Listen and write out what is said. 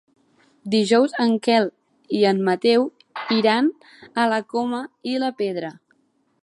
Dijous en Quel i en Mateu iran a la Coma i la Pedra.